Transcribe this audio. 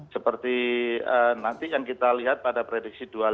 seperti nanti yang kita lihat pada prediksi dua puluh lima